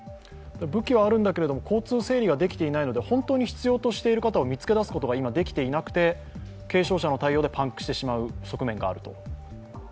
武器はあるんだけれども、交通整理ができていないので本当に必要な人に届けることが今、できていなくて、軽症者の対応でパンクしてしまう側面があると。